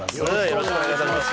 よろしくお願いします